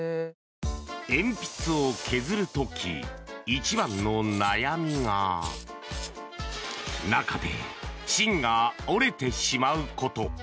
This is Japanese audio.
鉛筆を削る時、一番の悩みが中で芯が折れてしまうこと。